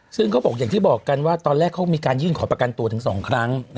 ซึ่งเขาบอกอย่างที่บอกกันว่าตอนแรกเขามีการยื่นขอประกันตัวถึง๒ครั้ง